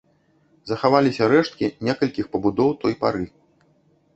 Захаваліся рэшткі некалькіх пабудоў той пары.